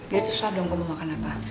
biar susah dong gue mau makan apa